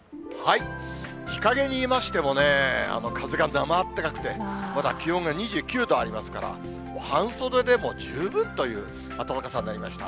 日陰にいましても、風が生暖かくて、まだ気温が２９度ありますから、半袖でも十分という暖かさになりました。